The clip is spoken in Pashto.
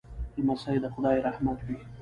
لمسی د خدای رحمت وي.